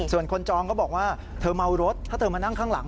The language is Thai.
ส่วนคนจองก็บอกว่าเธอเมารถถ้าเธอมานั่งข้างหลัง